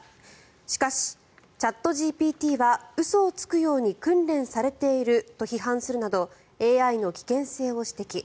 しかし、チャットＧＰＴは嘘をつくように訓練されていると批判するなどＡＩの危険性を指摘。